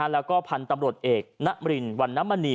แล้วก็พันตำรวจเอกณะมรินวันน้ำมณี